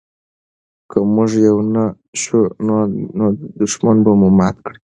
که موږ یو نه شو نو دښمن به مو مات کړي.